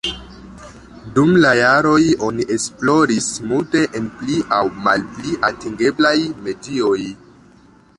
Dum la jaroj oni esploris multe en pli aŭ malpli atingeblaj medioj.